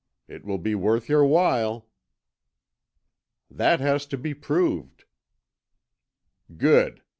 It will be worth your while." "That has to be proved." "Good.